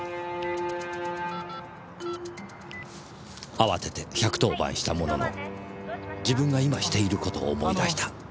あわてて１１０番したものの自分が今している事を思い出した。